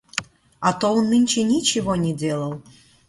А то он нынче ничего не делал.